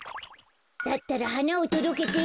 だったらはなをとどけて。